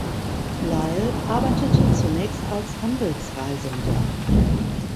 Lyle arbeitete zunächst als Handelsreisender.